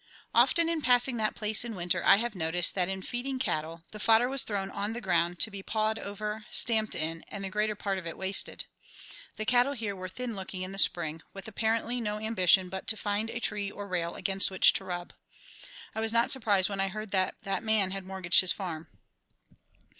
Often in passing that place in winter, I have noticed that in feeding cattle, the fodder was thrown on the ground to be pawed over, stamped in, and the greater part of it wasted. The cattle here were thin looking in the spring, with apparently no ambition but to find a tree or rail against which to rub. I was not surprised when I heard that that man had mortgaged his farm.